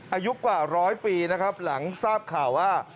อายุกว่าร้อยปีนะครับหลังทราบข่าวว่า